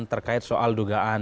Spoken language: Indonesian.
terkait soal dugaan